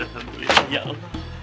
alhamdulillah ya allah